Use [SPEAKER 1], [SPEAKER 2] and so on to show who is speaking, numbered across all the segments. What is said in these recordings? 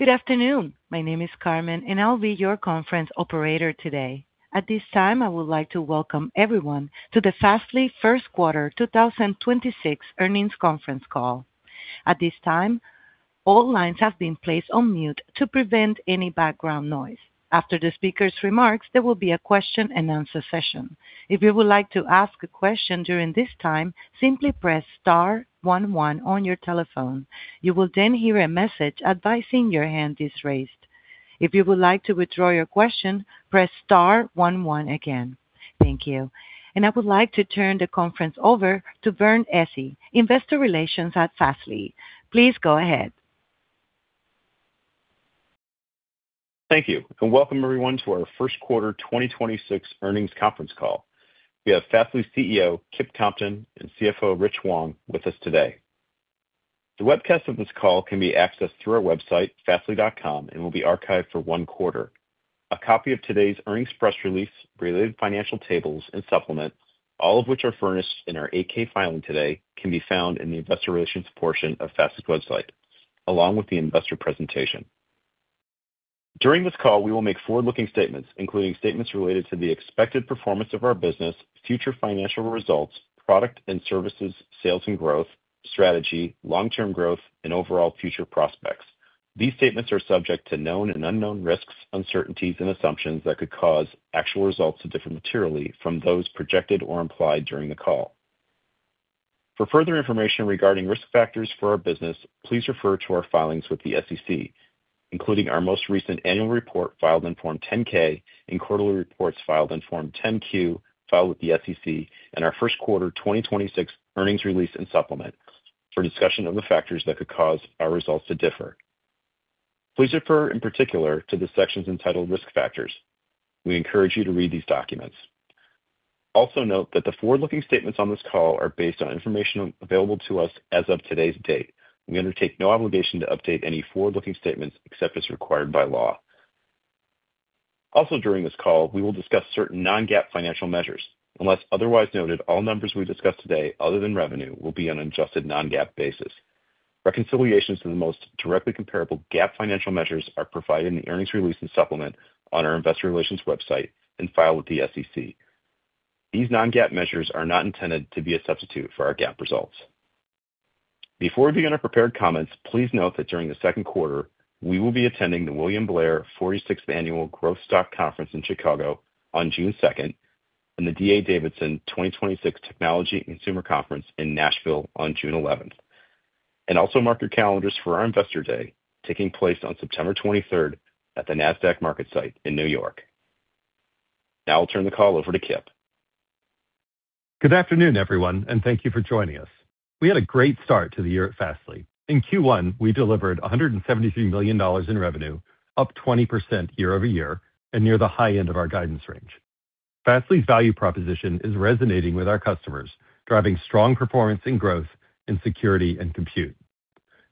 [SPEAKER 1] Good afternoon. My name is Carmen, and I'll be your conference operator today. At this time, I would like to welcome everyone to the Fastly First Quarter 2026 Earnings Conference Call. At this time, all lines have been placed on mute to prevent any background noise. After the speaker's remarks, there will be a question-and-answer session. If you would like to ask a question during this time, simply press star one one on your telephone. You will hear a message advising your hand is raised. If you would like to withdraw your question, press star one one again. Thank you. I would like to turn the conference over to Vernon Essi, investor relations at Fastly. Please go ahead.
[SPEAKER 2] Thank you. Welcome everyone to our First Quarter 2026 Earnings Conference Call. We have Fastly CEO, Kip Compton, and CFO, Richard Wong, with us today. The webcast of this call can be accessed through our website, fastly.com, and will be archived for one quarter. A copy of today's earnings press release, related financial tables and supplements, all of which are furnished in our 8-K filing today, can be found in the investor relations portion of Fastly's website, along with the investor presentation. During this call, we will make forward-looking statements, including statements related to the expected performance of our business, future financial results, product and services, sales and growth, strategy, long-term growth, and overall future prospects. These statements are subject to known and unknown risks, uncertainties, and assumptions that could cause actual results to differ materially from those projected or implied during the call. For further information regarding risk factors for our business, please refer to our filings with the SEC, including our most recent annual report filed in form 10-K and quarterly reports filed in form 10-Q filed with the SEC in our first quarter 2026 earnings release and supplement for discussion of the factors that could cause our results to differ. Please refer in particular to the sections entitled Risk Factors. We encourage you to read these documents. Note that the forward-looking statements on this call are based on information available to us as of today's date, and we undertake no obligation to update any forward-looking statements except as required by law. During this call, we will discuss certain non-GAAP financial measures. Unless otherwise noted, all numbers we discuss today other than revenue will be on an adjusted non-GAAP basis. Reconciliations to the most directly comparable GAAP financial measures are provided in the earnings release and supplement on our investor relations website and filed with the SEC. These non-GAAP measures are not intended to be a substitute for our GAAP results. Before we begin our prepared comments, please note that during the second quarter, we will be attending the William Blair 46 Annual Growth Stock Conference in Chicago on 2 June, and the D.A. Davidson 2026 Technology and Consumer Conference in Nashville on 11 June. Also mark your calendars for our Investor Day, taking place on 23rd September at the Nasdaq MarketSite in New York. Now I'll turn the call over to Kip.
[SPEAKER 3] Good afternoon, everyone, and thank you for joining us. We had a great start to the year at Fastly. In Q1, we delivered $173 million in revenue, up 20% year-over-year and near the high end of our guidance range. Fastly's value proposition is resonating with our customers, driving strong performance and growth in security and compute.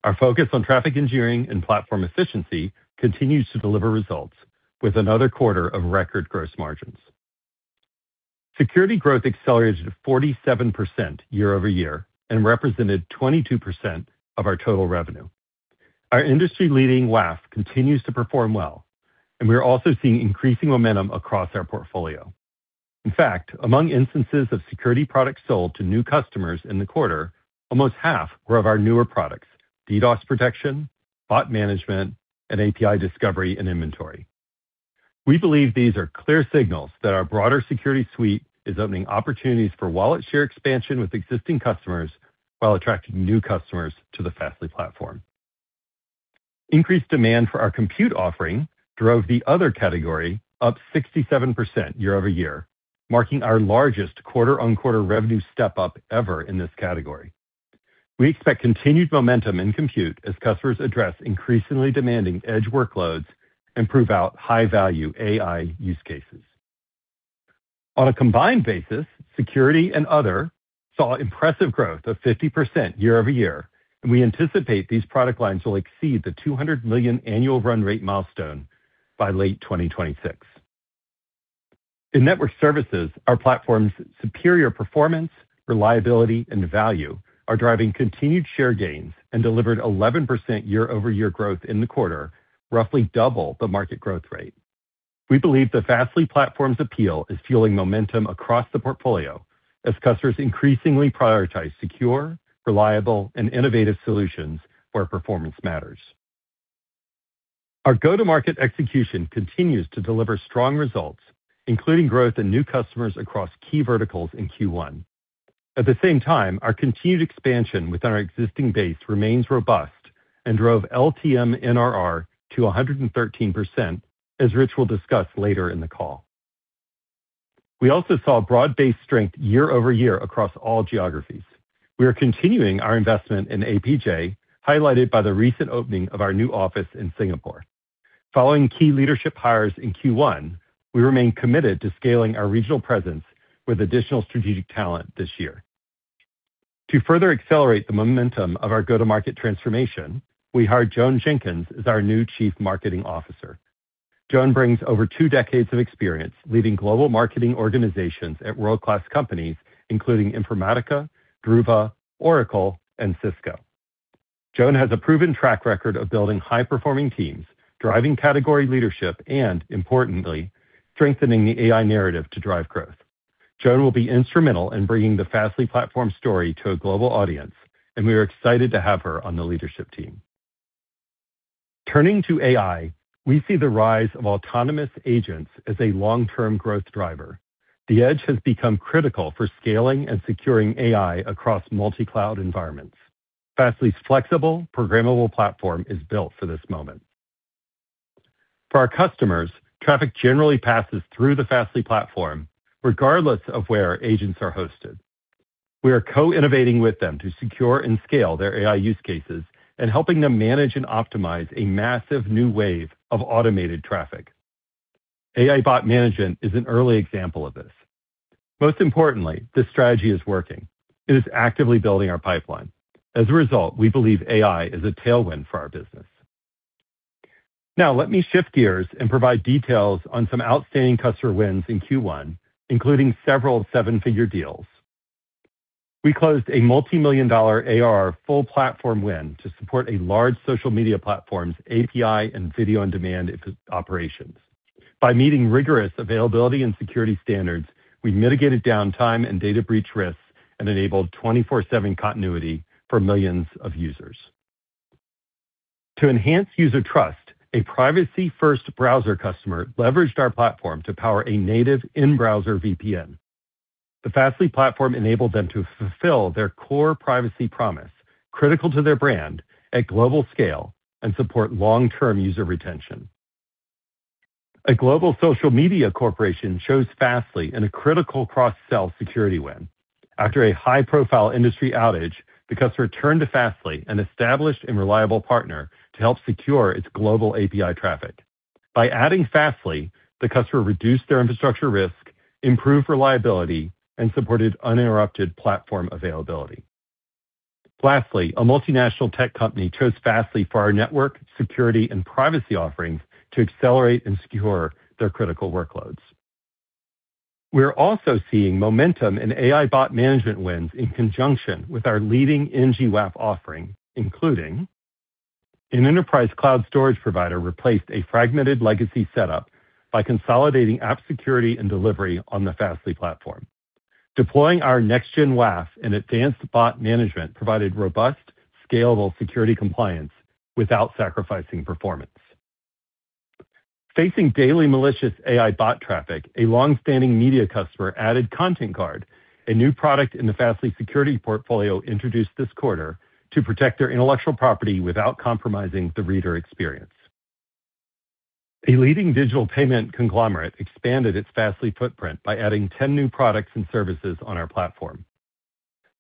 [SPEAKER 3] Our focus on traffic engineering and platform efficiency continues to deliver results with another quarter of record gross margins. Security growth accelerated 47% year-over-year and represented 22% of our total revenue. Our industry-leading WAF continues to perform well, and we're also seeing increasing momentum across our portfolio. In fact, among instances of security products sold to new customers in the quarter, almost half were of our newer products, DDoS protection, bot management, and API discovery and inventory. We believe these are clear signals that our broader security suite is opening opportunities for wallet share expansion with existing customers while attracting new customers to the Fastly platform. Increased demand for our compute offering drove the other category up 67% year-over-year, marking our largest quarter-on-quarter revenue step-up ever in this category. We expect continued momentum in compute as customers address increasingly demanding edge workloads and prove out high-value AI use cases. On a combined basis, security and other saw impressive growth of 50% year-over-year, and we anticipate these product lines will exceed the $200 million annual run rate milestone by late 2026. In network services, our platform's superior performance, reliability, and value are driving continued share gains and delivered 11% year-over-year growth in the quarter, roughly double the market growth rate. We believe the Fastly platform's appeal is fueling momentum across the portfolio as customers increasingly prioritize secure, reliable, and innovative solutions where performance matters. Our go-to-market execution continues to deliver strong results, including growth in new customers across key verticals in Q1. At the same time, our continued expansion within our existing base remains robust and drove LTM NRR to 113%, as Richard will discuss later in the call. We also saw broad-based strength year-over-year across all geographies. We are continuing our investment in APJ, highlighted by the recent opening of our new office in Singapore. Following key leadership hires in Q1, we remain committed to scaling our regional presence with additional strategic talent this year. To further accelerate the momentum of our go-to-market transformation, we hired Joan Jenkins as our new Chief Marketing Officer. Joan brings over two decades of experience leading global marketing organizations at world-class companies, including Informatica, Druva, Oracle, and Cisco. Joan has a proven track record of building high-performing teams, driving category leadership, and importantly, strengthening the AI narrative to drive growth. Joan will be instrumental in bringing the Fastly platform story to a global audience, and we are excited to have her on the leadership team. Turning to AI, we see the rise of autonomous agents as a long-term growth driver. The edge has become critical for scaling and securing AI across multi-cloud environments. Fastly's flexible programmable platform is built for this moment. For our customers, traffic generally passes through the Fastly platform regardless of where our agents are hosted. We are co-innovating with them to secure and scale their AI use cases and helping them manage and optimize a massive new wave of automated traffic. AI bot management is an early example of this. Most importantly, this strategy is working. It is actively building our pipeline. As a result, we believe AI is a tailwind for our business. Now, let me shift gears and provide details on some outstanding customer wins in Q1, including several seven-figure deals. We closed a $ multi-million ARR full platform win to support a large social media platform's API and video on-demand infrastructure operations. By meeting rigorous availability and security standards, we mitigated downtime and data breach risks and enabled 24/7 continuity for millions of users. To enhance user trust, a privacy-first browser customer leveraged our platform to power a native in-browser VPN. The Fastly platform enabled them to fulfill their core privacy promise, critical to their brand, at global scale and support long-term user retention. A global social media corporation chose Fastly in a critical cross-sell security win. After a high-profile industry outage, the customer turned to Fastly, an established and reliable partner, to help secure its global API traffic. By adding Fastly, the customer reduced their infrastructure risk, improved reliability, and supported uninterrupted platform availability. Lastly, a multinational tech company chose Fastly for our network, security, and privacy offerings to accelerate and secure their critical workloads. We are also seeing momentum in AI bot management wins in conjunction with our leading NG WAF offering, including an enterprise cloud storage provider replaced a fragmented legacy setup by consolidating app security and delivery on the Fastly platform. Deploying our Next-Gen WAF and advanced bot management provided robust, scalable security compliance without sacrificing performance. Facing daily malicious AI bot traffic, a long-standing media customer added ContentGuard, a new product in the Fastly security portfolio introduced this quarter to protect their intellectual property without compromising the reader experience. A leading digital payment conglomerate expanded its Fastly footprint by adding 10 new products and services on our platform.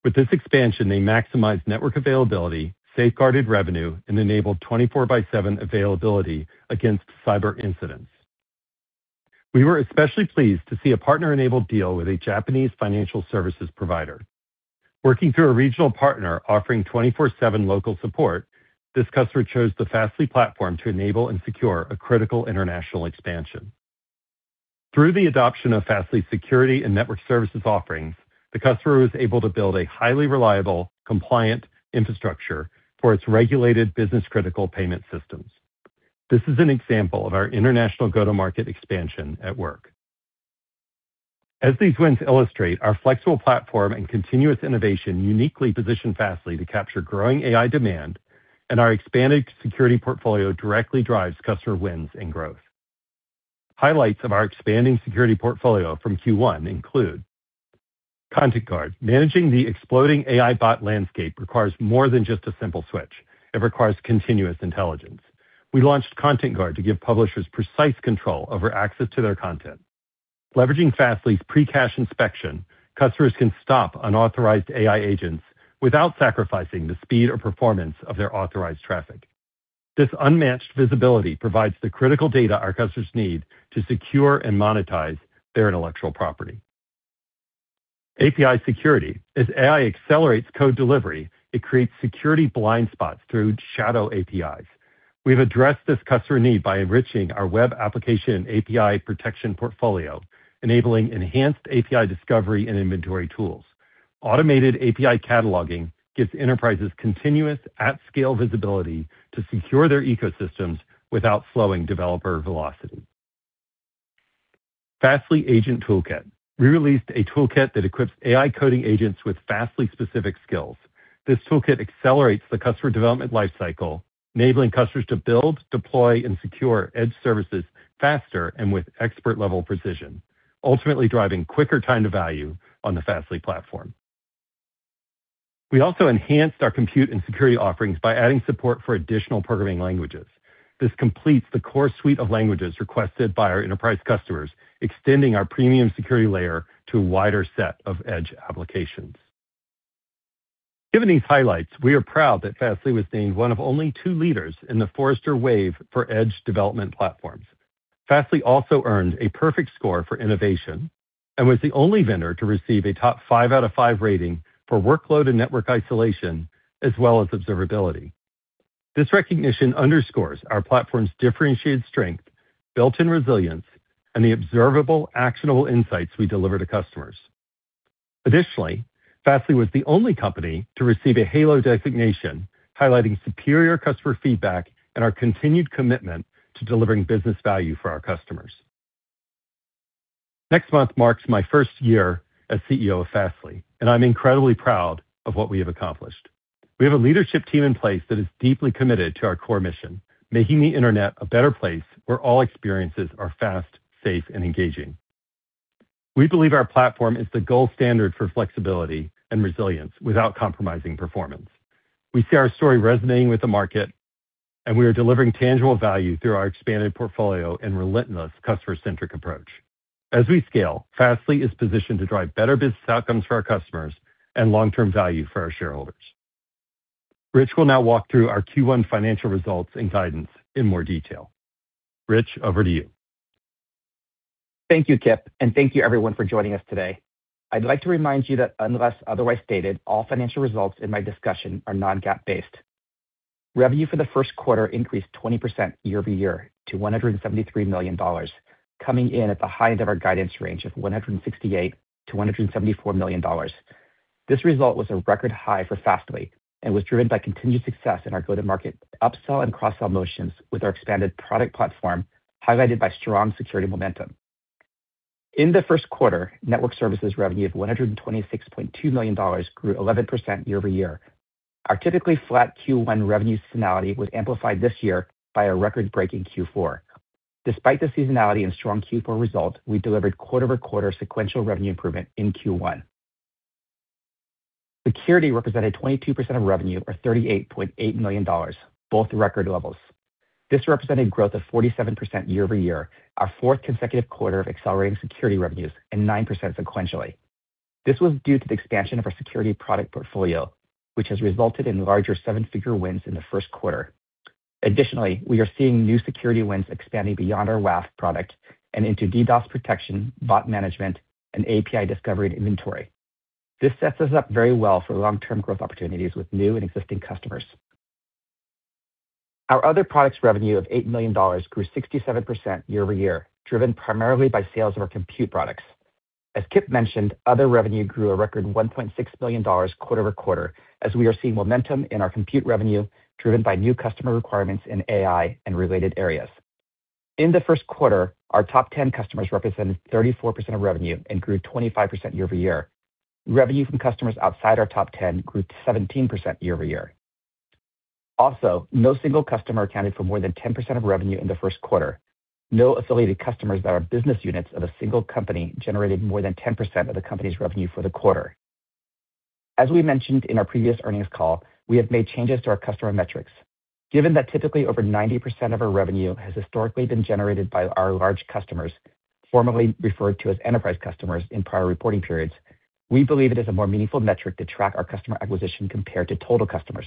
[SPEAKER 3] With this expansion, they maximized network availability, safeguarded revenue, and enabled 24/7 availability against cyber incidents. We were especially pleased to see a partner-enabled deal with a Japanese financial services provider. Working through a regional partner offering 24/7 local support, this customer chose the Fastly platform to enable and secure a critical international expansion. Through the adoption of Fastly security and network services offerings, the customer was able to build a highly reliable, compliant infrastructure for its regulated business-critical payment systems. This is an example of our international go-to-market expansion at work. As these wins illustrate, our flexible platform and continuous innovation uniquely position Fastly to capture growing AI demand and our expanded security portfolio directly drives customer wins and growth. Highlights of our expanding security portfolio from Q1 include Content Guard. Managing the exploding AI bot landscape requires more than just a simple switch. It requires continuous intelligence. We launched Content Guard to give publishers precise control over access to their content. Leveraging Fastly's pre-cache inspection, customers can stop unauthorized AI agents without sacrificing the speed or performance of their authorized traffic. This unmatched visibility provides the critical data our customers need to secure and monetize their intellectual property. API security. As AI accelerates code delivery, it creates security blind spots through shadow APIs. We've addressed this customer need by enriching our Web Application and API Protection portfolio, enabling enhanced API discovery and inventory tools. Automated API cataloging gives enterprises continuous at-scale visibility to secure their ecosystems without slowing developer velocity. Fastly Agent Toolkit. We released a toolkit that equips AI coding agents with Fastly specific skills. This toolkit accelerates the customer development life cycle, enabling customers to build, deploy, and secure edge services faster and with expert-level precision, ultimately driving quicker time to value on the Fastly platform. We also enhanced our compute and security offerings by adding support for additional programming languages. This completes the core suite of languages requested by our enterprise customers, extending our premium security layer to a wider set of edge applications. Given these highlights, we are proud that Fastly was named one of only two leaders in the Forrester Wave for Edge Development Platforms. Fastly also earned a perfect score for innovation. And was the only vendor to receive a top five out of five rating for workload and network isolation, as well as observability. This recognition underscores our platform's differentiated strength, built-in resilience, and the observable, actionable insights we deliver to customers. Additionally, Fastly was the only company to receive a Halo designation, highlighting superior customer feedback and our continued commitment to delivering business value for our customers. Next month marks my first year as CEO of Fastly, and I'm incredibly proud of what we have accomplished. We have a leadership team in place that is deeply committed to our core mission, making the internet a better place where all experiences are fast, safe, and engaging. We believe our platform is the gold standard for flexibility and resilience without compromising performance. We see our story resonating with the market, and we are delivering tangible value through our expanded portfolio and relentless customer-centric approach. As we scale, Fastly is positioned to drive better business outcomes for our customers and long-term value for our shareholders. Rich will now walk through our Q1 financial results and guidance in more detail. Rich, over to you.
[SPEAKER 4] Thank you, Kip, and thank you everyone for joining us today. I'd like to remind you that unless otherwise stated, all financial results in my discussion are non-GAAP based. Revenue for the first quarter increased 20% year-over-year to $173 million, coming in at the high end of our guidance range of $168 million to $174 million. This result was a record high for Fastly and was driven by continued success in our go-to-market upsell and cross-sell motions with our expanded product platform, highlighted by strong security momentum. In the first quarter, network services revenue of $126.2 million grew 11% year-over-year. Our typically flat Q1 revenue seasonality was amplified this year by a record-breaking Q4. Despite the seasonality and strong Q4 result, we delivered quarter-over-quarter sequential revenue improvement in Q1. Security represented 22% of revenue, or $38.8 million, both record levels. This represented growth of 47% year-over-year, our fourth consecutive quarter of accelerating security revenues, and 9% sequentially. This was due to the expansion of our security product portfolio, which has resulted in larger seven-figure wins in the first quarter. Additionally, we are seeing new security wins expanding beyond our WAF product and into DDoS protection, bot management, and API discovery and inventory. This sets us up very well for long-term growth opportunities with new and existing customers. Our other products revenue of $8 million grew 67% year-over-year, driven primarily by sales of our compute products. As Kip mentioned, other revenue grew a record $1.6 million quarter-over-quarter as we are seeing momentum in our compute revenue driven by new customer requirements in AI and related areas. In the first quarter, our top 10 customers represented 34% of revenue and grew 25% year-over-year. Revenue from customers outside our top 10 grew 17% year-over-year. No single customer accounted for more than 10% of revenue in the first quarter. No affiliated customers that are business units of a single company generated more than 10% of the company's revenue for the quarter. As we mentioned in our previous earnings call, we have made changes to our customer metrics. Given that typically over 90% of our revenue has historically been generated by our large customers, formerly referred to as enterprise customers in prior reporting periods, we believe it is a more meaningful metric to track our customer acquisition compared to total customers.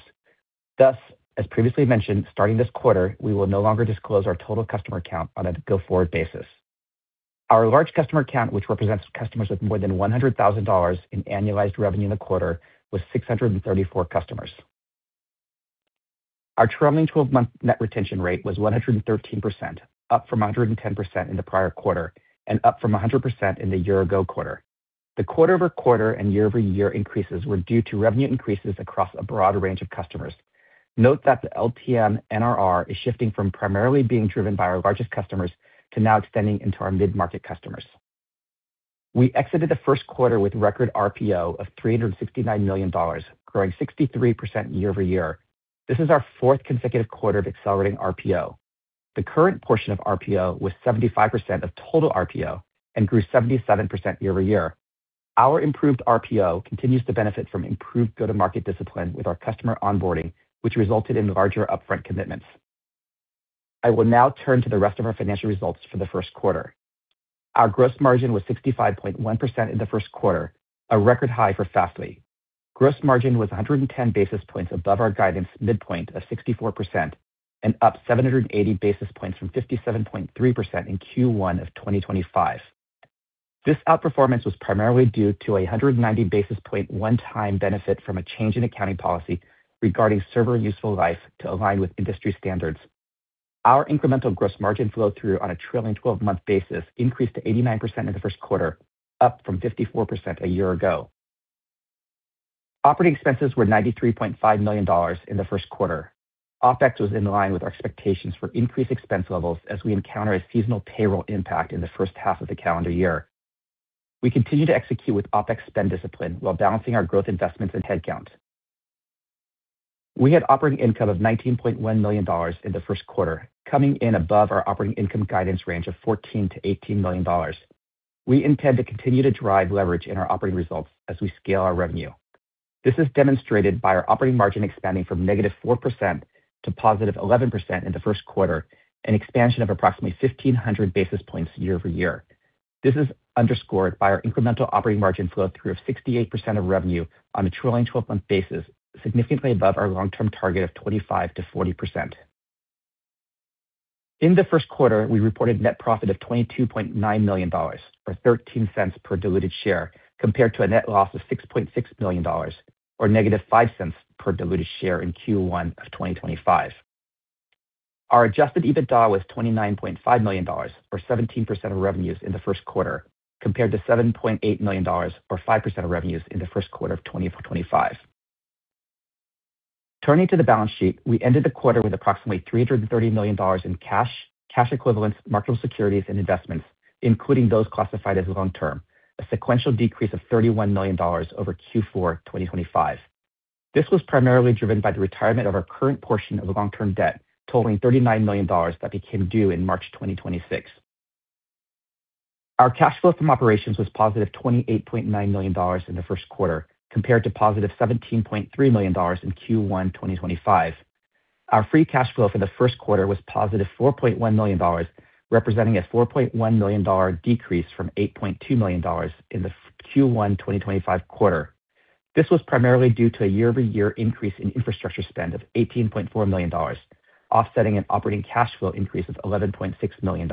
[SPEAKER 4] As previously mentioned, starting this quarter, we will no longer disclose our total customer count on a go-forward basis. Our large customer count, which represents customers with more than $100,000 in annualized revenue in the quarter, was 634 customers. Our trailing 12-month net retention rate was 113%, up from 110% in the prior quarter and up from 100% in the year-ago quarter. The quarter-over-quarter and year-over-year increases were due to revenue increases across a broad range of customers. Note that the LTM NRR is shifting from primarily being driven by our largest customers to now extending into our mid-market customers. We exited the first quarter with record RPO of $369 million, growing 63% year-over-year. This is our fourth consecutive quarter of accelerating RPO. The current portion of RPO was 75% of total RPO and grew 77% year-over-year. Our improved RPO continues to benefit from improved go-to-market discipline with our customer onboarding, which resulted in larger upfront commitments. I will now turn to the rest of our financial results for the first quarter. Our gross margin was 65.1% in the first quarter, a record high for Fastly. Gross margin was 110 basis points above our guidance midpoint of 64% and up 780 basis points from 57.3% in Q1 of 2025. This outperformance was primarily due to a 190 basis point one-time benefit from a change in accounting policy regarding server useful life to align with industry standards. Our incremental gross margin flow through on a trailing twelve-month basis increased to 89% in the first quarter, up from 54% a year ago. Operating expenses were $93.5 million in the first quarter. OpEx was in line with our expectations for increased expense levels as we encounter a seasonal payroll impact in the first half of the calendar year. We continue to execute with OpEx spend discipline while balancing our growth investments and headcount. We had operating income of $19.1 million in the first quarter, coming in above our operating income guidance range of $14 million to $18 million. We intend to continue to drive leverage in our operating results as we scale our revenue. This is demonstrated by our operating margin expanding from -4% to +11% in the first quarter, an expansion of approximately 1,500 basis points year-over-year. This is underscored by our incremental operating margin flow through of 68% of revenue on a trailing 12-month basis, significantly above our long-term target of 25%-40%. In the first quarter, we reported net profit of $22.9 million or $0.13 per diluted share, compared to a net loss of $6.6 million or -$0.05 per diluted share in Q1 of 2025. Our adjusted EBITDA was $29.5 million or 17% of revenues in the first quarter, compared to $7.8 million or 5% of revenues in the first quarter of 2025. Turning to the balance sheet, we ended the quarter with approximately $330 million in cash equivalents, marketable securities, and investments, including those classified as long-term, a sequential decrease of $31 million over Q4 2025. This was primarily driven by the retirement of our current portion of long-term debt totaling $39 million that became due in March 2026. Our cash flow from operations was positive $28.9 million in the first quarter compared to positive $17.3 million in Q1 2025. Our free cash flow for the first quarter was positive $4.1 million, representing a $4.1 million decrease from $8.2 million in the Q1 2025 quarter. This was primarily due to a year-over-year increase in infrastructure spend of $18.4 million, offsetting an operating cash flow increase of $11.6 million.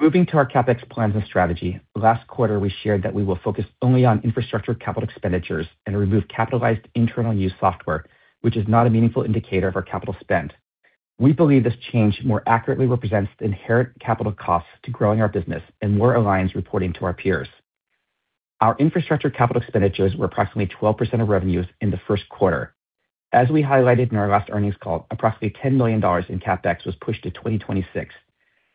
[SPEAKER 4] Moving to our CapEx plans and strategy. Last quarter, we shared that we will focus only on infrastructure capital expenditures and remove capitalized internal use software, which is not a meaningful indicator of our capital spend. We believe this change more accurately represents the inherent capital costs to growing our business and more aligns reporting to our peers. Our infrastructure capital expenditures were approximately 12% of revenues in the first quarter. As we highlighted in our last earnings call, approximately $10 million in CapEx was pushed to 2026.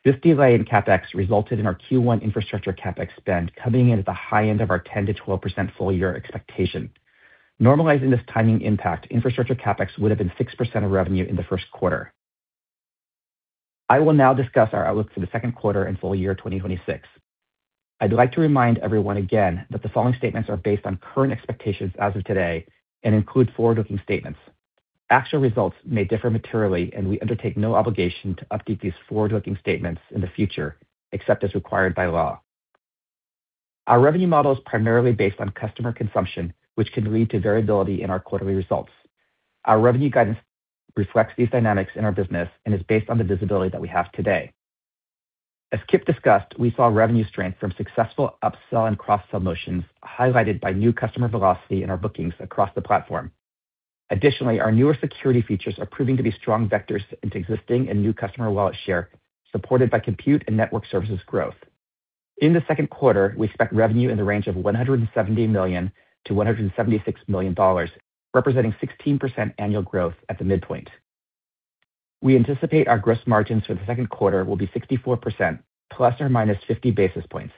[SPEAKER 4] This delay in CapEx resulted in our Q1 infrastructure CapEx spend coming in at the high end of our 10%-12% full year expectation. Normalizing this timing impact, infrastructure CapEx would have been 6% of revenue in the first quarter. I will now discuss our outlook for the second quarter and full year 2026. I'd like to remind everyone again that the following statements are based on current expectations as of today and include forward-looking statements. Actual results may differ materially, and we undertake no obligation to update these forward-looking statements in the future, except as required by law. Our revenue model is primarily based on customer consumption, which can lead to variability in our quarterly results. Our revenue guidance reflects these dynamics in our business and is based on the visibility that we have today. As Kip discussed, we saw revenue strength from successful upsell and cross-sell motions, highlighted by new customer velocity in our bookings across the platform. Our newer security features are proving to be strong vectors into existing and new customer wallet share, supported by compute and network services growth. In the second quarter, we expect revenue in the range of $170 million to $176 million, representing 16% annual growth at the midpoint. We anticipate our gross margins for the second quarter will be 64% ±50 basis points.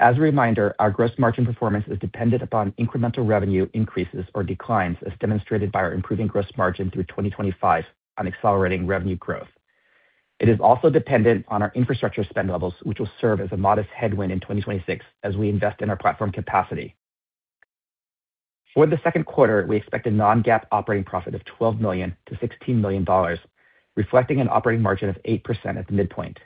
[SPEAKER 4] As a reminder, our gross margin performance is dependent upon incremental revenue increases or declines as demonstrated by our improving gross margin through 2025 on accelerating revenue growth. It is also dependent on our infrastructure spend levels, which will serve as a modest headwind in 2026 as we invest in our platform capacity. For the second quarter, we expect a non-GAAP operating profit of $12 million to $16 million, reflecting an operating margin of 8% at the midpoint.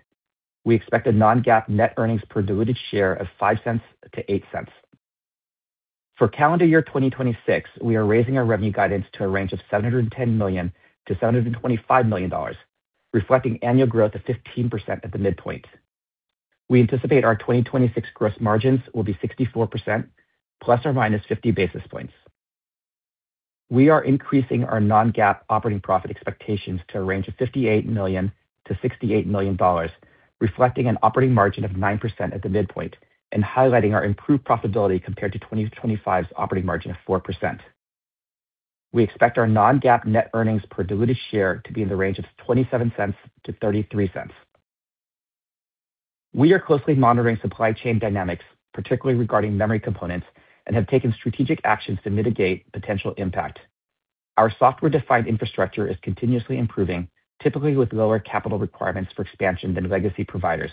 [SPEAKER 4] We expect a non-GAAP net earnings per diluted share of $0.05-$0.08. For calendar year 2026, we are raising our revenue guidance to a range of $710 million to $725 million, reflecting annual growth of 15% at the midpoint. We anticipate our 2026 gross margins will be 64% ±50 basis points. We are increasing our non-GAAP operating profit expectations to a range of $58 million to $68 million, reflecting an operating margin of 9% at the midpoint and highlighting our improved profitability compared to 2025's operating margin of 4%. We expect our non-GAAP net earnings per diluted share to be in the range of $0.27-$0.33. We are closely monitoring supply chain dynamics, particularly regarding memory components, and have taken strategic actions to mitigate potential impact. Our software-defined infrastructure is continuously improving, typically with lower capital requirements for expansion than legacy providers.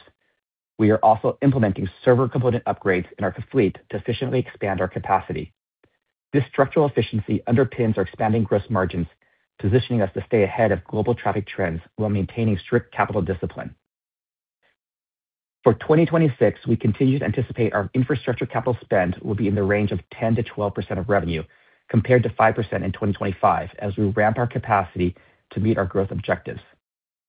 [SPEAKER 4] We are also implementing server component upgrades in our fleet to efficiently expand our capacity. This structural efficiency underpins our expanding gross margins, positioning us to stay ahead of global traffic trends while maintaining strict capital discipline. For 2026, we continue to anticipate our infrastructure capital spend will be in the range of 10%-12% of revenue, compared to 5% in 2025 as we ramp our capacity to meet our growth objectives.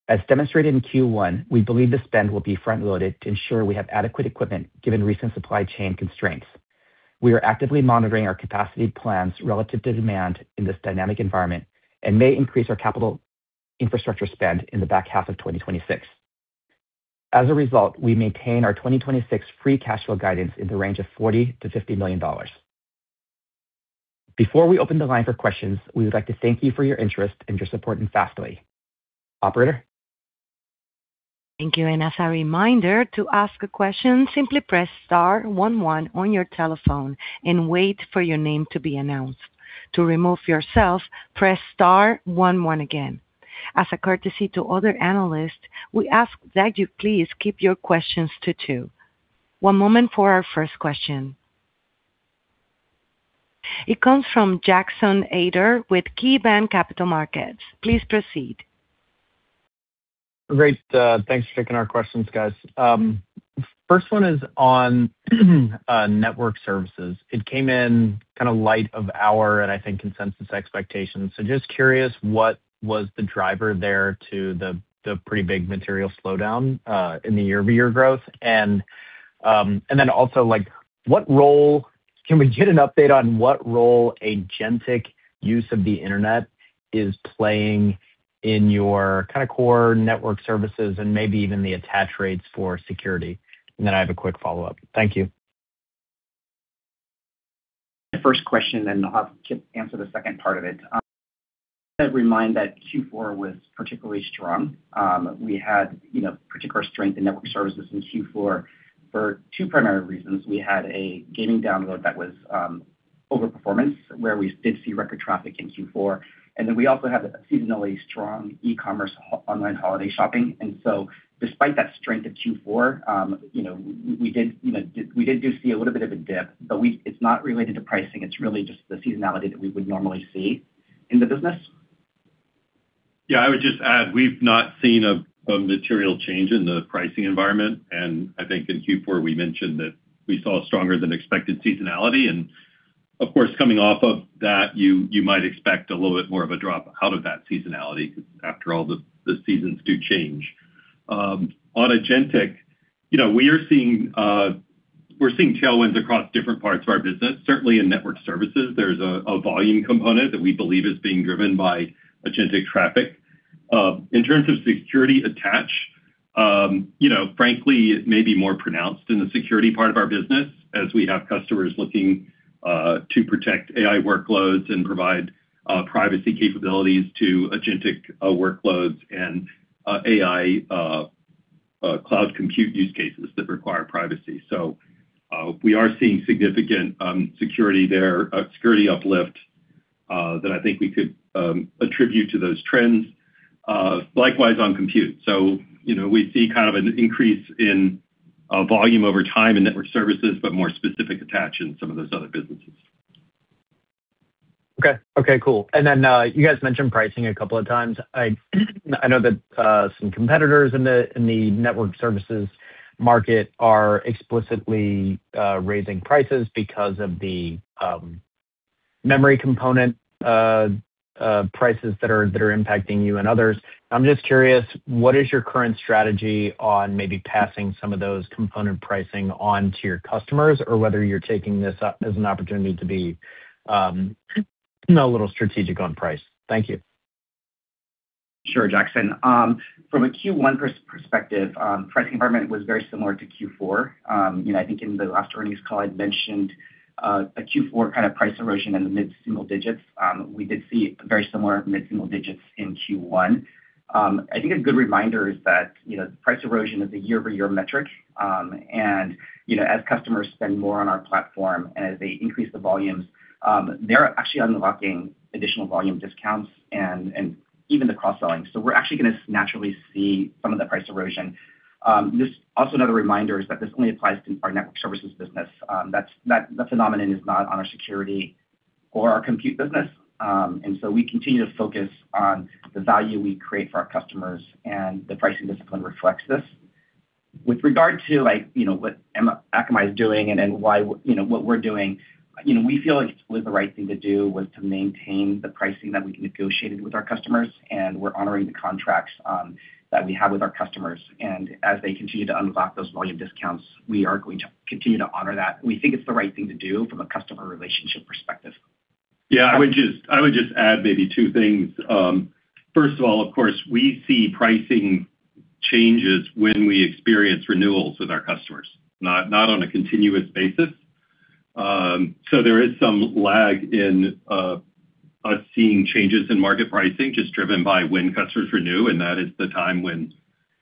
[SPEAKER 4] As demonstrated in Q1, we believe the spend will be front-loaded to ensure we have adequate equipment given recent supply chain constraints. We are actively monitoring our capacity plans relative to demand in this dynamic environment and may increase our capital infrastructure spend in the back half of 2026. As a result, we maintain our 2026 free cash flow guidance in the range of $40 million to $50 million. Before we open the line for questions, we would like to thank you for your interest and your support in Fastly. Operator?
[SPEAKER 1] Thank you. One moment for our first question. It comes from Jackson Ader with KeyBanc Capital Markets. Please proceed.
[SPEAKER 5] Great. Thanks for taking our questions, guys. First one is on network services. It came in kind of light of our, and I think consensus expectations. Just curious, what was the driver there to the pretty big material slowdown in the year-over-year growth? Then also, like, can we get an update on what role agentic use of the Internet is playing in your kind of core network services and maybe even the attach rates for security? Then I have a quick follow-up. Thank you.
[SPEAKER 4] First question, then I'll have Kip answer the second part of it. I'd remind that Q4 was particularly strong. We had, you know, particular strength in network services in Q4 for two primary reasons. We had a gaming download that was over performance, where we did see record traffic in Q4. We also had a seasonally strong e-commerce online holiday shopping. Despite that strength of Q4, you know, we did, you know, we did see a little bit of a dip, but it's not related to pricing. It's really just the seasonality that we would normally see in the business.
[SPEAKER 3] I would just add, we've not seen a material change in the pricing environment. I think in Q4, we mentioned that we saw stronger than expected seasonality. Of course, coming off of that, you might expect a little bit more of a drop out of that seasonality. After all, the seasons do change. On agentic, you know, we are seeing tailwinds across different parts of our business. Certainly in network services, there's a volume component that we believe is being driven by agentic traffic. In terms of security attach, you know, frankly, it may be more pronounced in the security part of our business as we have customers looking to protect AI workloads and provide privacy capabilities to agentic workloads and AI cloud compute use cases that require privacy. We are seeing significant security there, security uplift that I think we could attribute to those trends. Likewise on compute. You know, we see kind of an increase in volume over time in network services, but more specific attach in some of those other businesses.
[SPEAKER 5] Okay. Okay, cool. You guys mentioned pricing a couple of times. I know that some competitors in the network services market are explicitly raising prices because of the memory component prices that are impacting you and others. I'm just curious, what is your current strategy on maybe passing some of those component pricing on to your customers or whether you're taking this as an opportunity to be a little strategic on price? Thank you.
[SPEAKER 4] Sure, Jackson. From a Q1 perspective, pricing environment was very similar to Q4. You know, I think in the last earnings call, I'd mentioned a Q4 kind of price erosion in the mid-single digits. We did see very similar mid-single digits in Q1. I think a good reminder is that, you know, price erosion is a year-over-year metric. You know, as customers spend more on our platform and as they increase the volumes, they're actually unlocking additional volume discounts and even the cross-selling. We're actually gonna naturally see some of the price erosion. Just also another reminder is that this only applies to our network services business. That phenomenon is not on our security or our compute business. We continue to focus on the value we create for our customers, and the pricing discipline reflects this. With regard to, like, what Akamai is doing and why, what we're doing, we feel like it was the right thing to do was to maintain the pricing that we negotiated with our customers, and we're honoring the contracts that we have with our customers. As they continue to unlock those volume discounts, we are going to continue to honor that. We think it's the right thing to do from a customer relationship perspective.
[SPEAKER 3] I would just, I would just add maybe two things. First of all, of course, we see pricing changes when we experience renewals with our customers, not on a continuous basis. There is some lag in us seeing changes in market pricing, just driven by when customers renew, and that is the time when,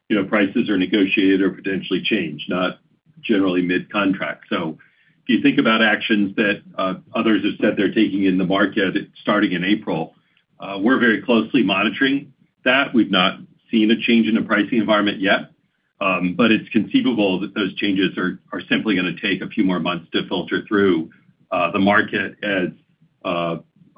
[SPEAKER 3] you know, prices are negotiated or potentially changed, not generally mid-contract. If you think about actions that others have said they're taking in the market starting in April, we're very closely monitoring that. We've not seen a change in the pricing environment yet, but it's conceivable that those changes are simply gonna take a few more months to filter through the market as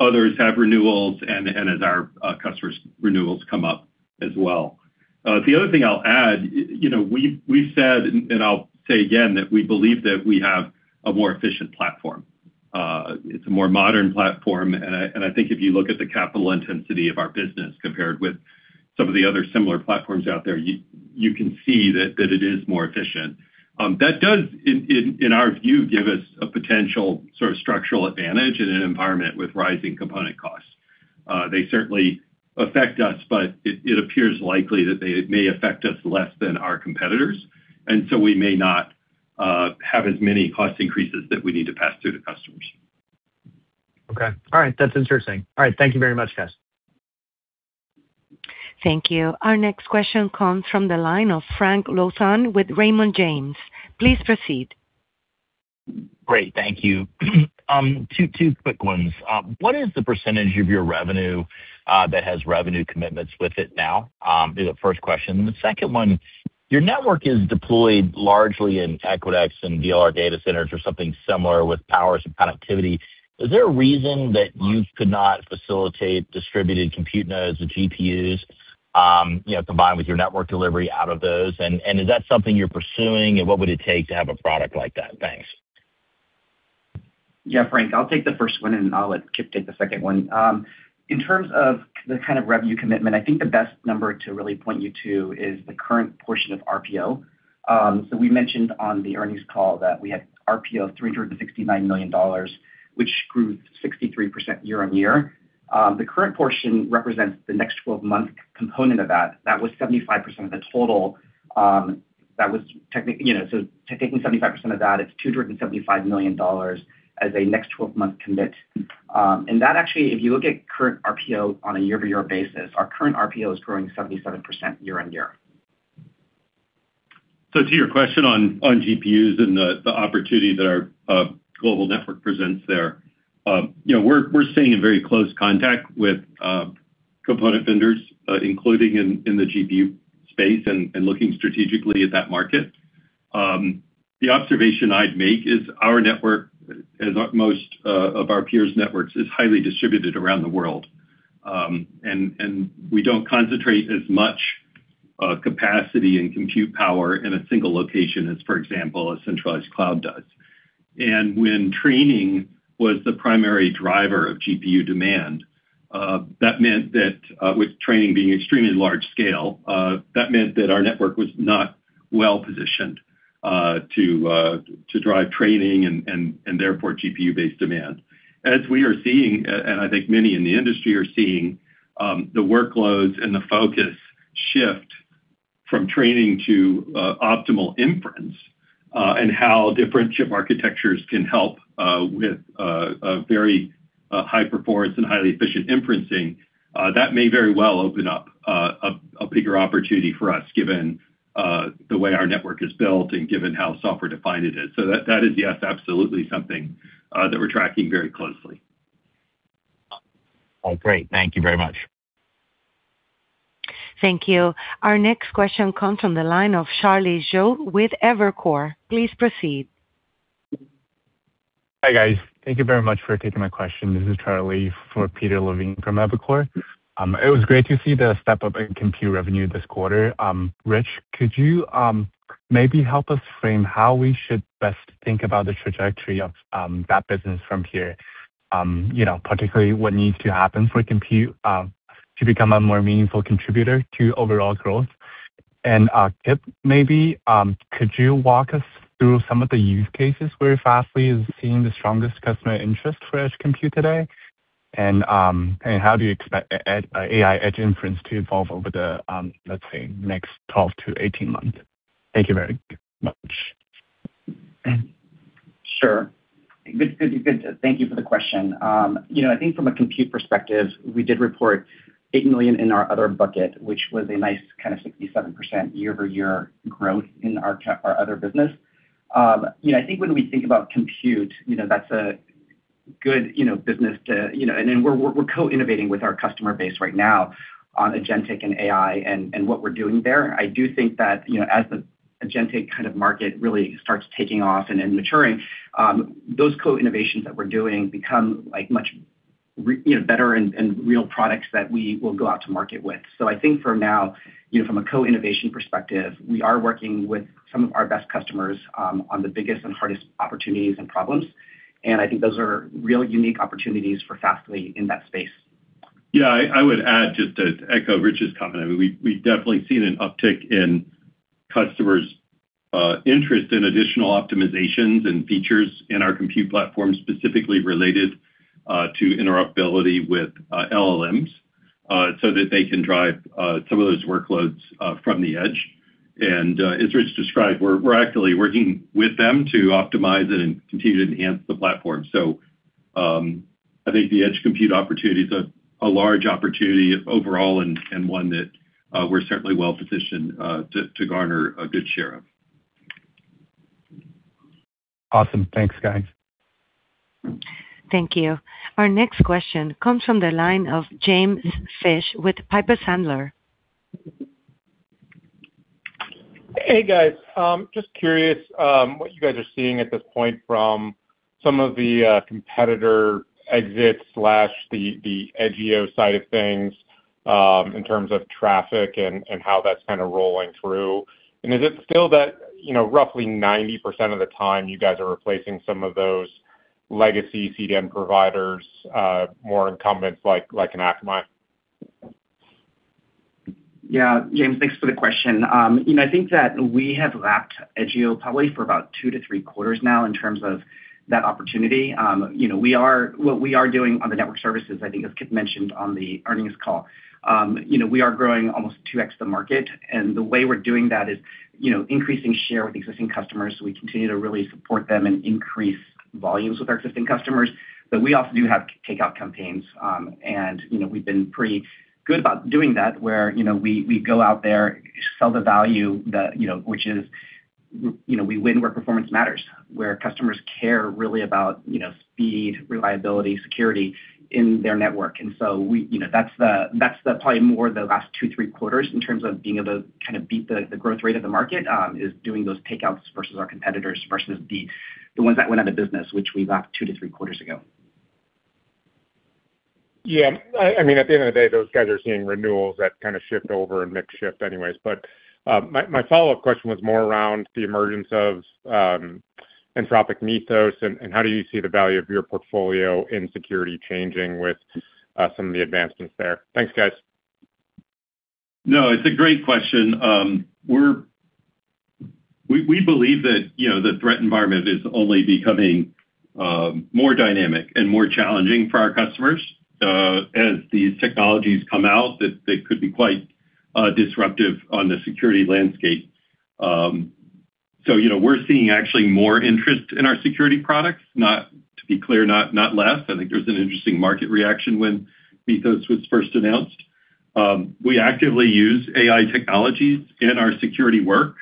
[SPEAKER 3] others have renewals and as our customers renewals come up as well. The other thing I'll add, you know, we've said, and I'll say again, that we believe that we have a more efficient platform. It's a more modern platform, and I think if you look at the capital intensity of our business compared with some of the other similar platforms out there, you can see that it is more efficient. That does in our view, give us a potential sort of structural advantage in an environment with rising component costs. They certainly affect us, but it appears likely that they may affect us less than our competitors. We may not have as many cost increases that we need to pass through to customers.
[SPEAKER 5] Okay. All right. That's interesting. All right. Thank you very much, guys.
[SPEAKER 1] Thank you. Our next question comes from the line of Frank Louthan with Raymond James. Please proceed.
[SPEAKER 6] Great. Thank you. 2 quick ones. What is the % of your revenue that has revenue commitments with it now? Is the first question. The second one, your network is deployed largely in Equinix and DLR data centers or something similar with power, some connectivity. Is there a reason that you could not facilitate distributed compute nodes and GPUs? You know, combined with your network delivery out of those. Is that something you're pursuing, and what would it take to have a product like that? Thanks.
[SPEAKER 4] Yeah, Frank, I'll take the one, and then I'll let Kip take the two. In terms of the kind of revenue commitment, I think the best number to really point you to is the current portion of RPO. We mentioned on the earnings call that we had RPO of $369 million, which grew 63% year-on-year. The current portion represents the next 12-month component of that. That was 75% of the total, you know, taking 75% of that, it's $275 million as a next 12-month commit. That actually, if you look at current RPO on a year-to-year basis, our current RPO is growing 77% year-on-year.
[SPEAKER 3] To your question on GPUs and the opportunity that our global network presents there, you know, we're staying in very close contact with component vendors, including in the GPU space and looking strategically at that market. The observation I'd make is our network, as most of our peers' networks, is highly distributed around the world. We don't concentrate as much capacity and compute power in a single location as, for example, a centralized cloud does. When training was the primary driver of GPU demand, that meant that with training being extremely large scale, that meant that our network was not well-positioned to drive training and therefore, GPU-based demand. As we are seeing, and I think many in the industry are seeing, the workloads and the focus shift from training to optimal inference, and how different chip architectures can help with a very high performance and highly efficient inferencing, that may very well open up a bigger opportunity for us, given the way our network is built and given how software-defined it is. That, that is yes, absolutely something that we're tracking very closely.
[SPEAKER 6] Oh, great. Thank you very much.
[SPEAKER 1] Thank you. Our next question comes from the line of Charles Zhou with Evercore. Please proceed.
[SPEAKER 7] Hi, guys. Thank you very much for taking my question. This is Charlie for Peter Levine from Evercore. It was great to see the step-up in compute revenue this quarter. Rich, could you maybe help us frame how we should best think about the trajectory of that business from here? You know, particularly what needs to happen for compute to become a more meaningful contributor to overall growth? Kip, maybe could you walk us through some of the use cases where Fastly is seeing the strongest customer interest for edge compute today? How do you expect edge, AI edge inference to evolve over the, let's say, next 12 to 18 months? Thank you very much.
[SPEAKER 4] Sure. Good. Thank you for the question. You know, I think from a compute perspective, we did report $8 million in our other bucket, which was a nice kind of 67% year-over-year growth in our other business. You know, I think when we think about compute, you know, that's a good, you know, business to, you know, and then we're co-innovating with our customer base right now on agentic and AI and what we're doing there. I do think that, you know, as the agentic kind of market really starts taking off and then maturing, those co-innovations that we're doing become, like, much, you know, better and real products that we will go out to market with. I think for now, you know, from a co-innovation perspective, we are working with some of our best customers, on the biggest and hardest opportunities and problems. I think those are real unique opportunities for Fastly in that space.
[SPEAKER 3] Yeah. I would add just to echo Rich's comment. We've definitely seen an uptick in customers' interest in additional optimizations and features in our compute platform, specifically related to interoperability with LLMs, so that they can drive some of those workloads from the edge. As Rich described, we're actively working with them to optimize it and continue to enhance the platform. I think the edge compute opportunity is a large opportunity overall and one that we're certainly well-positioned to garner a good share of.
[SPEAKER 7] Awesome. Thanks, guys.
[SPEAKER 1] Thank you. Our next question comes from the line of James Fish with Piper Sandler.
[SPEAKER 8] Hey, guys. Just curious what you guys are seeing at this point from some of the competitor exits/the Edgio side of things, in terms of traffic and how that's kinda rolling through. Is it still that, you know, roughly 90% of the time you guys are replacing some of those legacy CDN providers, more incumbents like an Akamai?
[SPEAKER 4] Yeah. James, thanks for the question. you know, I think that we have lapped Edgio probably for about two to three quarters now in terms of that opportunity. you know, what we are doing on the network services, I think as Kip mentioned on the earnings call, you know, we are growing almost 2x the market. The way we're doing that is, you know, increasing share with existing customers, so we continue to really support them and increase volumes with our existing customers. We also do have takeout campaigns, you know, we've been pretty good about doing that, where, you know, we go out there, sell the value that, you know, which is, you know, we win where performance matters, where customers care really about, you know, speed, reliability, security in their network. We, you know, that's the probably more the last two, three quarters in terms of being able to kind of beat the growth rate of the market, is doing those takeouts versus our competitors, versus the ones that went out of business, which we lapped two to three quarters ago.
[SPEAKER 8] Yeah, I mean, at the end of the day, those guys are seeing renewals that kind of shift over and mix shift anyways. My follow-up question was more around the emergence of Claude Mistral and how do you see the value of your portfolio in security changing with some of the advancements there? Thanks, guys.
[SPEAKER 3] No, it's a great question. We believe that, you know, the threat environment is only becoming more dynamic and more challenging for our customers, as these technologies come out that they could be quite disruptive on the security landscape. You know, we're seeing actually more interest in our security products, not to be clear, not less. I think there's an interesting market reaction when Mistral was first announced. We actively use AI technologies in our security work.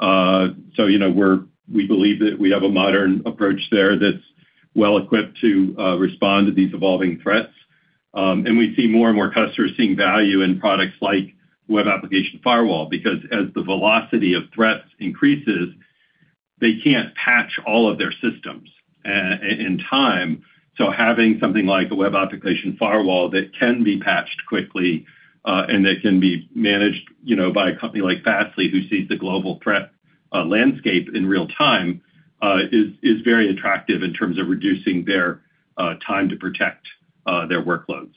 [SPEAKER 3] You know, we believe that we have a modern approach there that's well-equipped to respond to these evolving threats. We see more and more customers seeing value in products like Web Application Firewall, because as the velocity of threats increases, they can't patch all of their systems in time. Having something like a Web Application Firewall that can be patched quickly and that can be managed, you know, by a company like Fastly, who sees the global threat landscape in real time, is very attractive in terms of reducing their time to protect their workloads.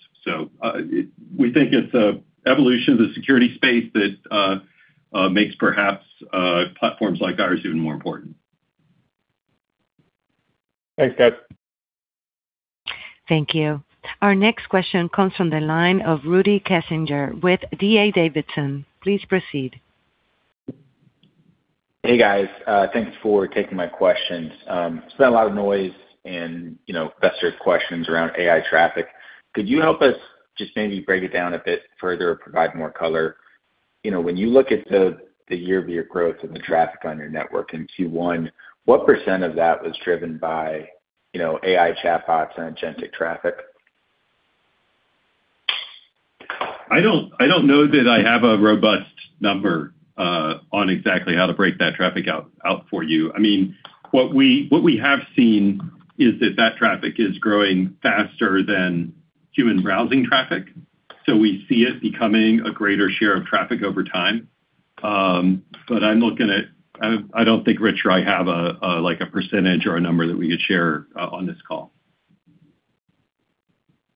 [SPEAKER 3] We think it's an evolution of the security space that makes perhaps platforms like ours even more important.
[SPEAKER 8] Thanks, guys.
[SPEAKER 1] Thank you. Our next question comes from the line of Rudy Kessinger with D.A. Davidson. Please proceed.
[SPEAKER 9] Hey, guys. Thanks for taking my questions. There's been a lot of noise and, you know, investor questions around AI traffic. Could you help us just maybe break it down a bit further or provide more color? You know, when you look at the year-over-year growth and the traffic on your network in Q1, what % of that was driven by, you know, AI chatbots and agentic traffic?
[SPEAKER 3] I don't know that I have a robust number on exactly how to break that traffic out for you. I mean, what we have seen is that that traffic is growing faster than human browsing traffic. We see it becoming a greater share of traffic over time. But I'm looking at I don't think Richard or I have a like a percentage or a number that we could share on this call.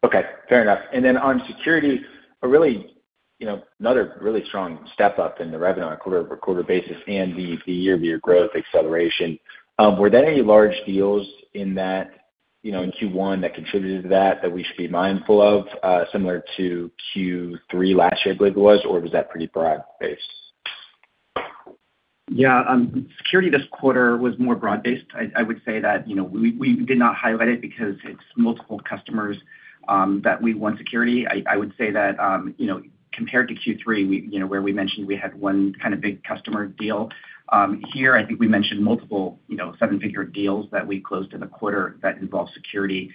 [SPEAKER 9] Okay, fair enough. Then on security, a really, you know, another really strong step-up in the revenue on a quarter-over-quarter basis and the year-over-year growth acceleration. Were there any large deals in that, you know, in Q1 that contributed to that we should be mindful of, similar to Q3 last year, I believe it was, or was that pretty broad-based?
[SPEAKER 4] Security this quarter was more broad-based. I would say that, you know, we did not highlight it because it's multiple customers that we won security. I would say that, you know, compared to Q3, we, you know, where we mentioned we had one kind of big customer deal, here, I think we mentioned multiple, you know, 7-figure deals that we closed in the quarter that involve security.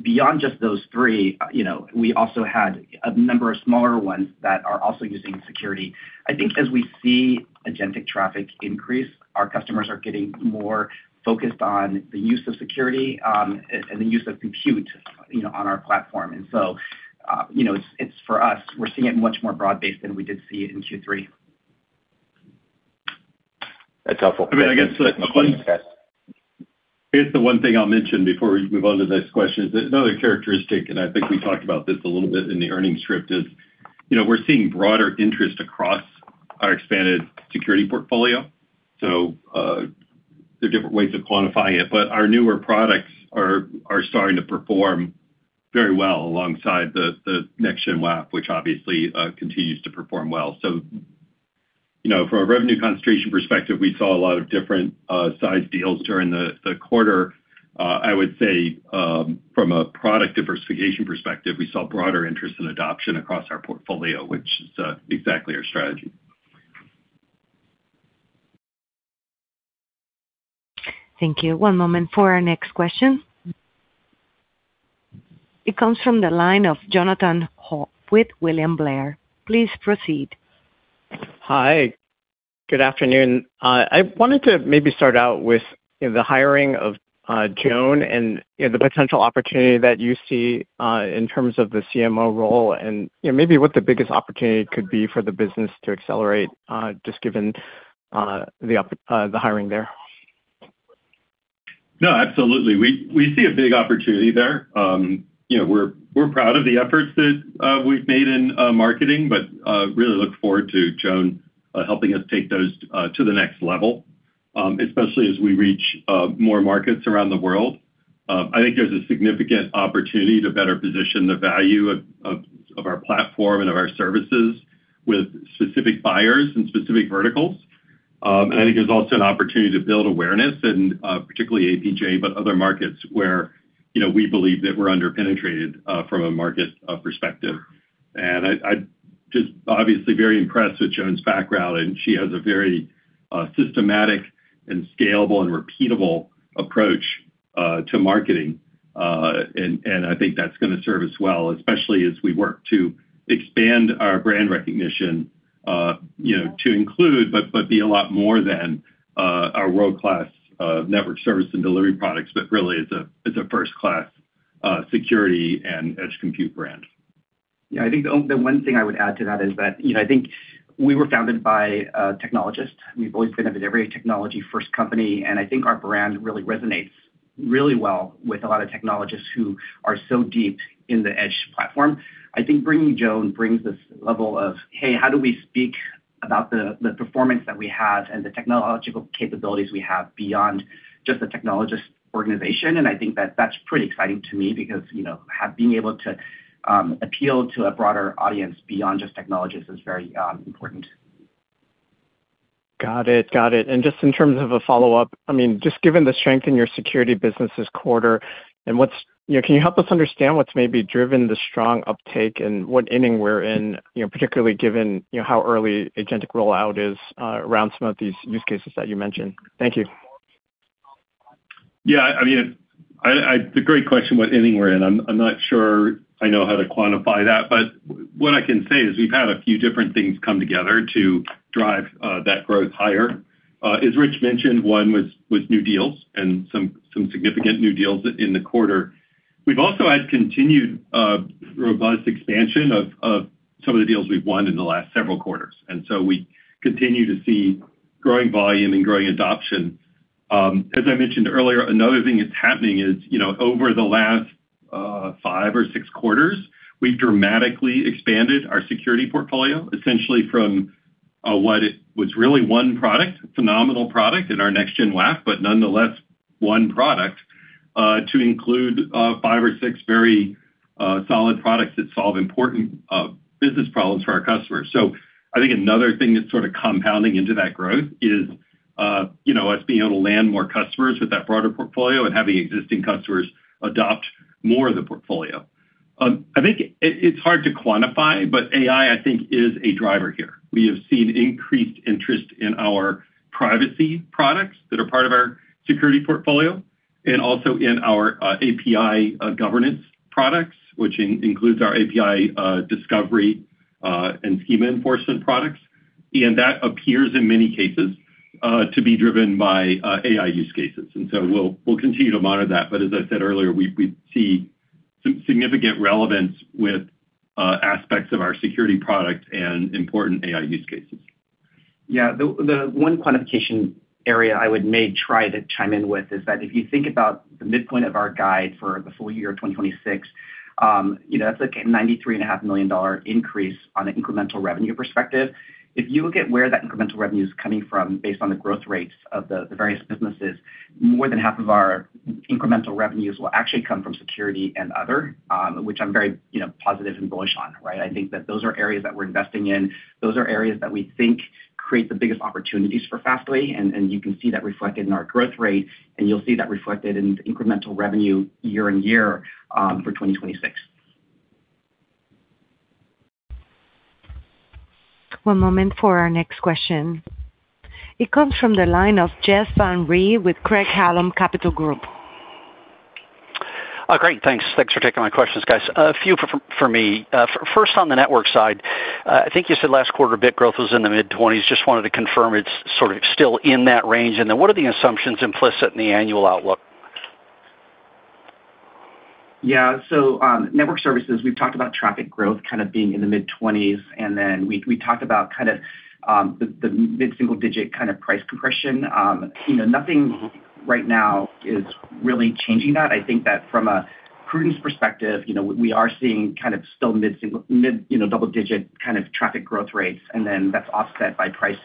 [SPEAKER 4] Beyond just those three, you know, we also had a number of smaller ones that are also using security. I think as we see agentic traffic increase, our customers are getting more focused on the use of security, and the use of compute, you know, on our platform. You know, it's for us, we're seeing it much more broad-based than we did see it in Q3.
[SPEAKER 9] That's helpful.
[SPEAKER 3] I mean, I guess-
[SPEAKER 9] Thanks.
[SPEAKER 3] Here's the one thing I'll mention before we move on to the next question, is another characteristic, and I think we talked about this a little bit in the earnings script, is, you know, we're seeing broader interest across our expanded security portfolio. There are different ways to quantify it, but our newer products are starting to perform very well alongside the Next-Gen WAF, which obviously, continues to perform well. You know, from a revenue concentration perspective, we saw a lot of different size deals during the quarter. I would say, from a product diversification perspective, we saw broader interest in adoption across our portfolio, which is exactly our strategy.
[SPEAKER 1] Thank you. One moment for our next question. It comes from the line of Jonathan Ho with William Blair. Please proceed.
[SPEAKER 10] Hi, good afternoon. I wanted to maybe start out with the hiring of Joan and, you know, the potential opportunity that you see in terms of the CMO role and, you know, maybe what the biggest opportunity could be for the business to accelerate just given the hiring there.
[SPEAKER 3] No, absolutely. We see a big opportunity there. You know, we're proud of the efforts that we've made in marketing, really look forward to Joan helping us take those to the next level, especially as we reach more markets around the world. I think there's a significant opportunity to better position the value of our platform and of our services with specific buyers and specific verticals. I think there's also an opportunity to build awareness in particularly APJ, but other markets where, you know, we believe that we're under-penetrated from a market perspective. I just obviously very impressed with Joan's background, she has a very systematic and scalable and repeatable approach to marketing. I think that's gonna serve us well, especially as we work to expand our brand recognition, you know, to include, but be a lot more than, our world-class network service and delivery products, but really it's a first-class security and edge compute brand.
[SPEAKER 4] Yeah, I think the one thing I would add to that is that, you know, I think we were founded by a technologist. We've always been a very technology-first company, and I think our brand really resonates really well with a lot of technologists who are so deep in the edge platform. I think bringing Joan brings this level of, hey, how do we speak about the performance that we have and the technological capabilities we have beyond just a technologist organization? I think that's pretty exciting to me because, you know, being able to appeal to a broader audience beyond just technologists is very important.
[SPEAKER 10] Got it. Just in terms of a follow-up, I mean, just given the strength in your security business this quarter, You know, can you help us understand what's maybe driven the strong uptake and what inning we're in, you know, particularly given, you know, how early agentic rollout is around some of these use cases that you mentioned? Thank you.
[SPEAKER 3] Yeah, I mean, I It's a great question, what inning we're in. I'm not sure I know how to quantify that. What I can say is we've had a few different things come together to drive that growth higher. As Rich mentioned, one was new deals and some significant new deals in the quarter. We've also had continued robust expansion of some of the deals we've won in the last several quarters. We continue to see growing volume and growing adoption. As I mentioned earlier, another thing that's happening is, you know, over the last five or six quarters, we've dramatically expanded our security portfolio, essentially from what it was really one product, phenomenal product in our Next-Gen WAF, but nonetheless one product, to include five or six very solid products that solve important business problems for our customers. I think another thing that's sort of compounding into that growth is, you know, us being able to land more customers with that broader portfolio and having existing customers adopt more of the portfolio. I think it's hard to quantify, but AI, I think, is a driver here. We have seen increased interest in our privacy products that are part of our security portfolio and also in our API governance products, which includes our API discovery and schema enforcement products. That appears in many cases to be driven by AI use cases. We'll continue to monitor that. As I said earlier, we see some significant relevance with aspects of our security product and important AI use cases.
[SPEAKER 4] The one quantification area I would like to try to chime in with is that if you think about the midpoint of our guide for the full year of 2026, you know, that's like a $93.5 million increase on an incremental revenue perspective. If you look at where that incremental revenue is coming from based on the growth rates of the various businesses, more than half of our incremental revenues will actually come from security and other, which I'm very, you know, positive and bullish on, right? I think that those are areas that we're investing in. Those are areas that we think create the biggest opportunities for Fastly, and you can see that reflected in our growth rate, and you'll see that reflected in the incremental revenue year-over-year for 2026.
[SPEAKER 1] One moment for our next question. It comes from the line of Jeff Van Rhee with Craig-Hallum Capital Group.
[SPEAKER 11] Great. Thanks. Thanks for taking my questions, guys. A few for me. First on the network side, I think you said last quarter bit growth was in the mid-20s. Just wanted to confirm it's sort of still in that range. What are the assumptions implicit in the annual outlook?
[SPEAKER 4] Network services, we've talked about traffic growth kind of being in the mid-20s, and then we talked about kind of the mid-single-digit kind of price compression. Nothing right now is really changing that. I think that from a prudence perspective, we are seeing kind of still mid-single, mid-double-digit kind of traffic growth rates, and then that's offset by price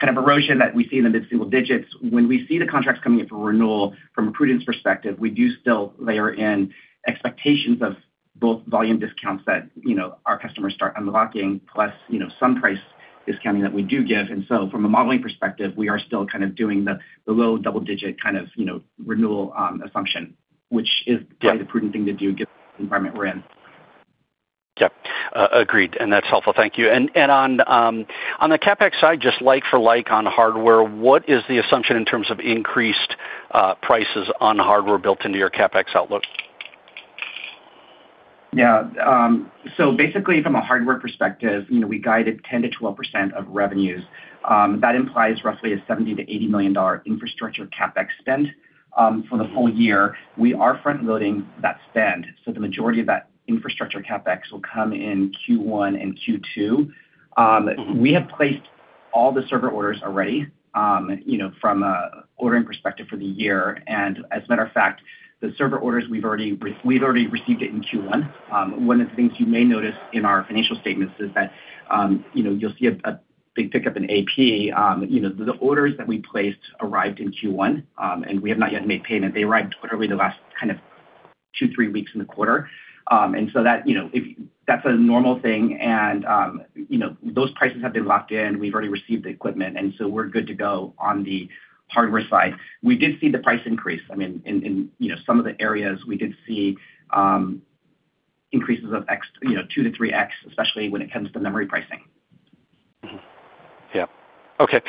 [SPEAKER 4] kind of erosion that we see in the mid-single digits. When we see the contracts coming up for renewal from a prudence perspective, we do still layer in expectations of both volume discounts that our customers start unlocking, plus some price discounting that we do give. From a modeling perspective, we are still kind of doing the low double digit kind of, you know, renewal assumption, which is.
[SPEAKER 11] Yeah
[SPEAKER 4] kind of the prudent thing to do given the environment we're in.
[SPEAKER 11] Yeah. Agreed, and that's helpful. Thank you. On the CapEx side, just like for like on hardware, what is the assumption in terms of increased prices on hardware built into your CapEx outlook?
[SPEAKER 4] Yeah. Basically from a hardware perspective, we guided 10%-12% of revenues. That implies roughly a $70 million to $80 million infrastructure CapEx spend for the whole year. We are front-loading that spend, the majority of that infrastructure CapEx will come in Q1 and Q2. We have placed all the server orders already from an ordering perspective for the year. As a matter of fact, the server orders we've already received it in Q1. One of the things you may notice in our financial statements is that you'll see a big pickup in AP. The orders that we placed arrived in Q1, we have not yet made payment. They arrived literally the last kind of two to three weeks in the quarter. That, you know, if That's a normal thing and, you know, those prices have been locked in. We've already received the equipment and so we're good to go on the hardware side. We did see the price increase. I mean, in, you know, some of the areas we did see, increases of, you know, 2 to 3x, especially when it comes to memory pricing.
[SPEAKER 11] Yeah. Okay.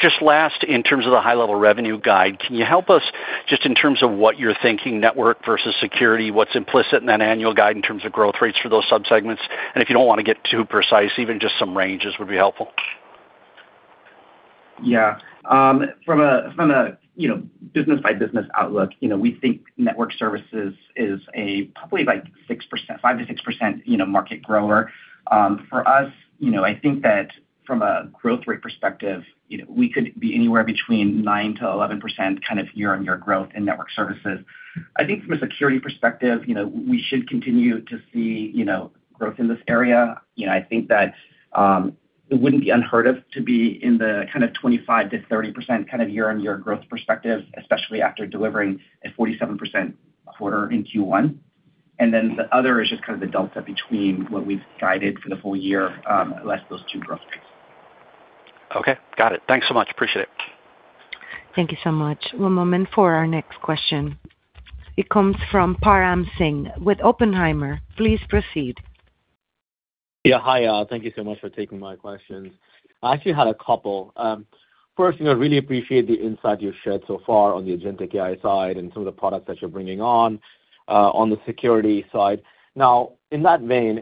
[SPEAKER 11] Just last, in terms of the high level revenue guide, can you help us just in terms of what you're thinking network versus security, what's implicit in that annual guide in terms of growth rates for those subsegments? If you don't wanna get too precise, even just some ranges would be helpful.
[SPEAKER 4] Yeah. From a, you know, business by business outlook, you know, we think network services is probably like 5%-6%, you know, market grower. For us, you know, I think that from a growth rate perspective, you know, we could be anywhere between 9%-11% kind of year-on-year growth in network services. I think from a security perspective, you know, we should continue to see, you know, growth in this area. You know, I think that, it wouldn't be unheard of to be in the kind of 25%-30% kind of year-on-year growth perspective, especially after delivering a 47% quarter in Q1. The other is just kind of the delta between what we've guided for the full year, less those two growth rates.
[SPEAKER 11] Okay. Got it. Thanks so much. Appreciate it.
[SPEAKER 1] Thank you so much. One moment for our next question. It comes from Param Singh with Oppenheimer. Please proceed.
[SPEAKER 12] Yeah. Hi all. Thank you so much for taking my questions. I actually had a couple. First thing, I really appreciate the insight you've shared so far on the agentic AI side and some of the products that you're bringing on the security side. In that vein,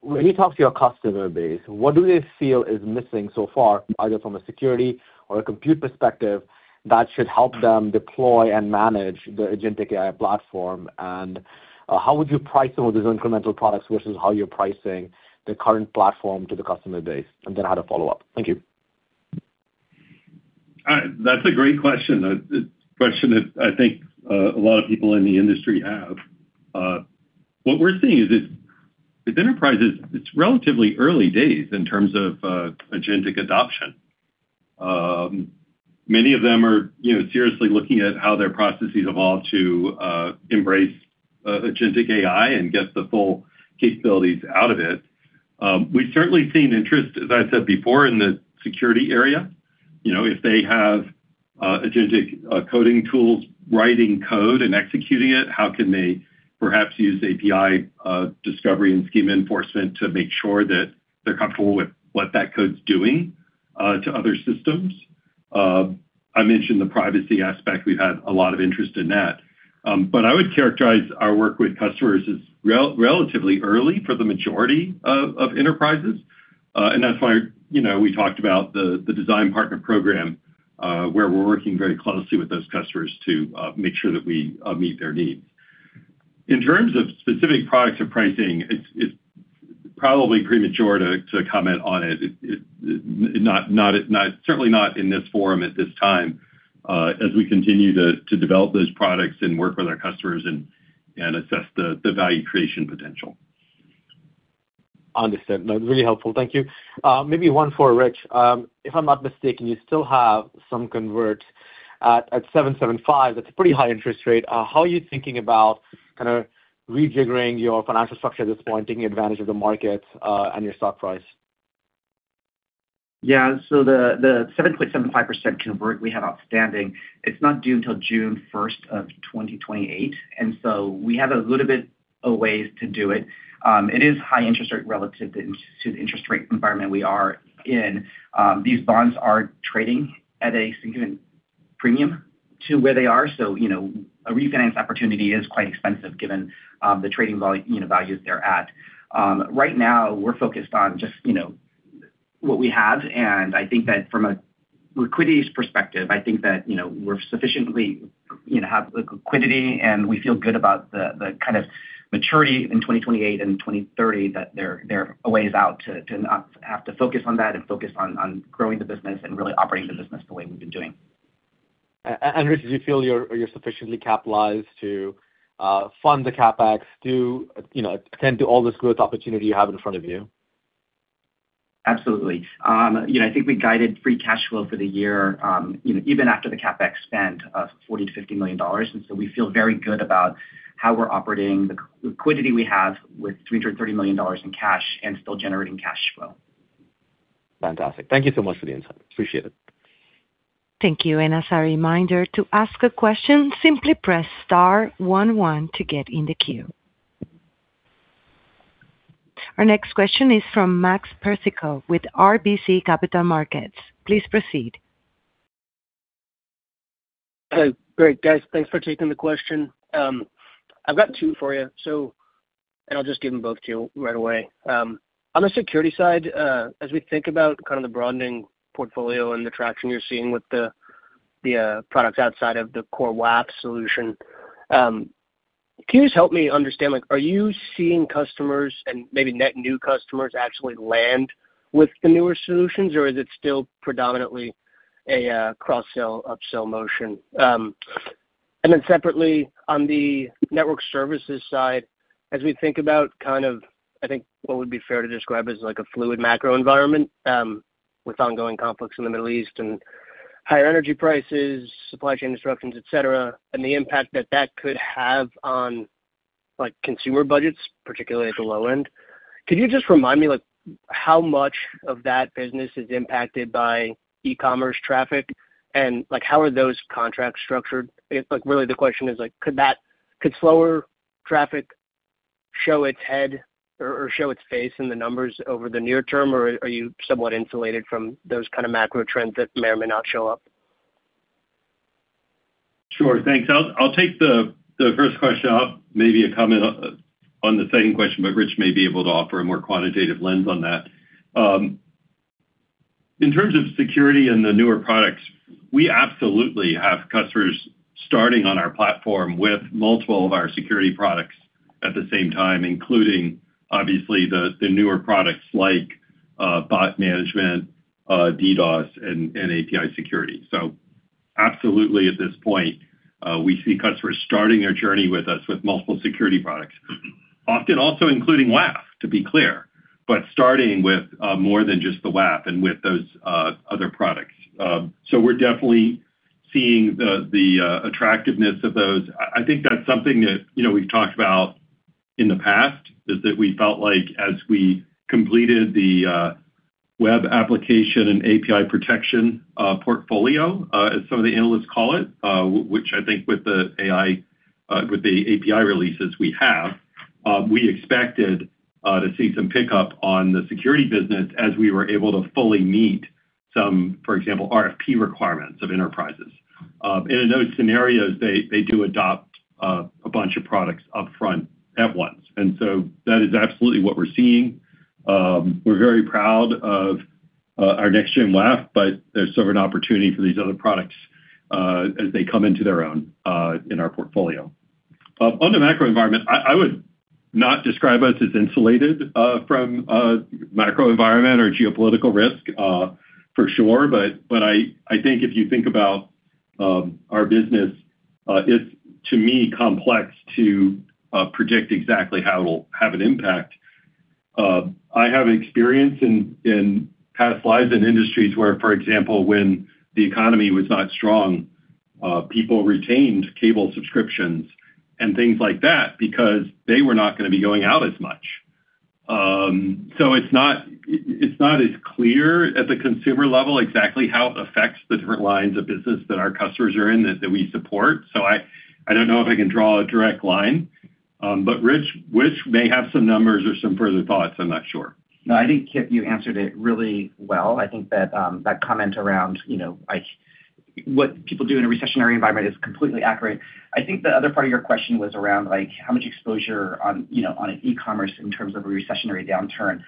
[SPEAKER 12] when you talk to your customer base, what do they feel is missing so far, either from a security or a compute perspective that should help them deploy and manage the agentic AI platform? How would you price some of these incremental products versus how you're pricing the current platform to the customer base? I had a follow-up. Thank you.
[SPEAKER 3] That's a great question. A question that I think a lot of people in the industry have. What we're seeing is that with enterprises, it's relatively early days in terms of agentic adoption. Many of them are, you know, seriously looking at how their processes evolve to embrace agentic AI and get the full capabilities out of it. We've certainly seen interest, as I said before, in the security area. You know, if they have agentic coding tools, writing code and executing it, how can they perhaps use API discovery and schema enforcement to make sure that they're comfortable with what that code's doing to other systems. I mentioned the privacy aspect. We've had a lot of interest in that. I would characterize our work with customers as relatively early for the majority of enterprises. That's why, you know, we talked about the design partner program, where we're working very closely with those customers to make sure that we meet their needs. In terms of specific products and pricing, it's probably premature to comment on it. It certainly not in this forum at this time, as we continue to develop those products and work with our customers and assess the value creation potential.
[SPEAKER 12] Understood. No, really helpful. Thank you. Maybe one for Rich. If I'm not mistaken, you still have some convert at 775. That's a pretty high interest rate. How are you thinking about kind of rejiggering your financial structure at this point, taking advantage of the market, and your stock price?
[SPEAKER 4] The 7.75% convert we have outstanding, it's not due until 1 June 2028, and so we have a little bit of ways to do it. It is high interest rate relative to the interest rate environment we are in. These bonds are trading at a significant premium to where they are. You know, a refinance opportunity is quite expensive given, you know, the trading values they're at. Right now we're focused on just, you know, what we have, and I think that from a liquidity's perspective, I think that, you know, we're sufficiently, you know, have the liquidity, and we feel good about the kind of maturity in 2028 and 2030 that they're a ways out to not have to focus on that and focus on growing the business and really operating the business the way we've been doing.
[SPEAKER 12] Rich, do you feel you're sufficiently capitalized to fund the CapEx to, you know, attend to all this growth opportunity you have in front of you?
[SPEAKER 4] Absolutely. You know, I think we guided free cash flow for the year, you know, even after the CapEx spend of $40 million to $50 million, we feel very good about how we're operating the liquidity we have with $330 million in cash and still generating cash flow.
[SPEAKER 12] Fantastic. Thank you so much for the insight. Appreciate it.
[SPEAKER 1] Thank you. As a reminder, to ask a question, simply press star one one to get in the queue. Our next question is from Max Persico with RBC Capital Markets. Please proceed.
[SPEAKER 13] Hello. Great, guys. Thanks for taking the question. I've got two for you. I'll just give them both to you right away. On the security side, as we think about kind of the broadening portfolio and the traction you're seeing with the products outside of the core WAF solution, can you just help me understand, like are you seeing customers and maybe net new customers actually land with the newer solutions, or is it still predominantly a cross-sell, upsell motion? Then separately, on the network services side, as we think about kind of, I think, what would be fair to describe as like a fluid macro environment, with ongoing conflicts in the Middle East and higher energy prices, supply chain disruptions, et cetera, and the impact that that could have on, like, consumer budgets, particularly at the low end, could you just remind me, like, how much of that business is impacted by e-commerce traffic, and, like, how are those contracts structured? Like, really the question is like could slower traffic show its head or show its face in the numbers over the near term, or are you somewhat insulated from those kind of macro trends that may or may not show up?
[SPEAKER 3] Sure. Thanks. I'll take the first question. I'll Maybe a comment on the second question, but Rich may be able to offer a more quantitative lens on that. In terms of security and the newer products, we absolutely have customers starting on our platform with multiple of our security products at the same time, including obviously the newer products like bot management, DDoS, and API security. Absolutely at this point, we see customers starting their journey with us with multiple security products, often also including WAF, to be clear, but starting with more than just the WAF and with those other products. We're definitely seeing the attractiveness of those. I think that's something that, you know, we've talked about in the past, is that we felt like as we completed the Web Application and API Protection portfolio, as some of the analysts call it, which I think with the AI, with the API releases we have, we expected to see some pickup on the security business as we were able to fully meet some, for example, RFP requirements of enterprises. In those scenarios, they do adopt a bunch of products upfront at once. That is absolutely what we're seeing. We're very proud of our Next-Gen WAF, but there's sort of an opportunity for these other products, as they come into their own, in our portfolio. On the macro environment, I would not describe us as insulated from macro environment or geopolitical risk for sure. But I think if you think about our business, it's to me complex to predict exactly how it'll have an impact. I have experience in past lives and industries where, for example, when the economy was not strong, people retained cable subscriptions and things like that because they were not gonna be going out as much. It's not, it's not as clear at the consumer level exactly how it affects the different lines of business that our customers are in that we support. I don't know if I can draw a direct line. Rich may have some numbers or some further thoughts, I'm not sure.
[SPEAKER 4] No, I think, Kip, you answered it really well. I think that comment around, you know, like what people do in a recessionary environment is completely accurate. I think the other part of your question was around like how much exposure on, you know, on an e-commerce in terms of a recessionary downturn.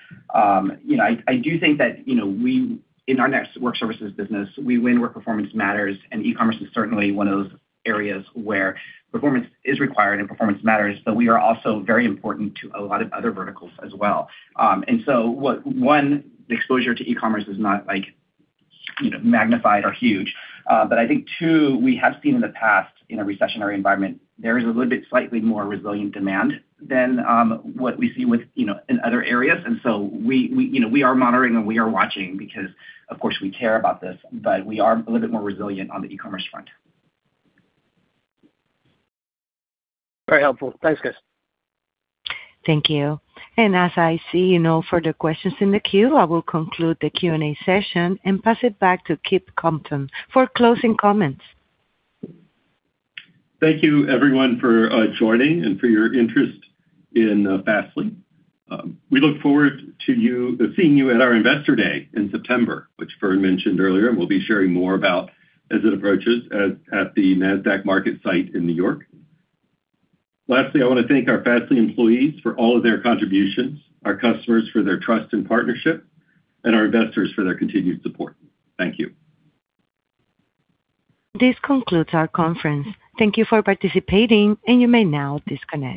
[SPEAKER 4] You know, I do think that, you know, we, in our next work services business, we win where performance matters, and e-commerce is certainly one of those areas where performance is required and performance matters, but we are also very important to a lot of other verticals as well. The exposure to e-commerce is not like, you know, magnified or huge. I think two, we have seen in the past in a recessionary environment, there is a little bit slightly more resilient demand than what we see with, you know, in other areas. We, you know, we are monitoring and we are watching because, of course, we care about this, but we are a little bit more resilient on the e-commerce front.
[SPEAKER 13] Very helpful. Thanks, guys.
[SPEAKER 1] Thank you. As I see no further questions in the queue, I will conclude the Q&A session and pass it back to Kip Compton for closing comments.
[SPEAKER 3] Thank you everyone for joining and for your interest in Fastly. We look forward to you seeing you at our Investor Day in September, which Vern mentioned earlier, and we'll be sharing more about as it approaches at the Nasdaq MarketSite in New York. Lastly, I wanna thank our Fastly employees for all of their contributions, our customers for their trust and partnership, and our investors for their continued support. Thank you.
[SPEAKER 1] This concludes our conference. Thank you for participating. You may now disconnect.